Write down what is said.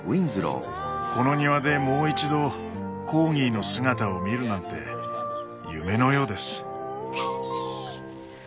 この庭でもう一度コーギーの姿を見るなんて夢のようです。